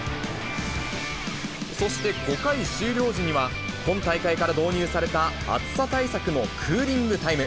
そして５回終了時には、今大会から導入された暑さ対策のクーリングタイム。